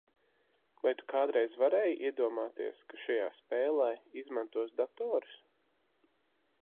Vai tu kādreiz varēji iedomāties, ka šajā spēlē izmantos datorus?